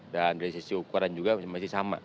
dan dari sisi ukuran juga masih sama